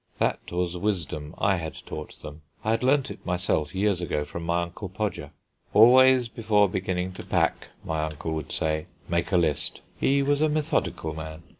That was wisdom I had taught them; I had learned it myself years ago from my Uncle Podger. "Always before beginning to pack," my Uncle would say, "make a list." He was a methodical man.